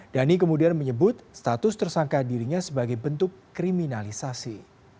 dhani kemudian menyebut status tersangka dirinya sebagai bentuk kriminalisasi